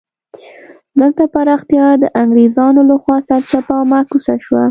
دلته پراختیا د انګرېزانو له خوا سرچپه او معکوسه شوه.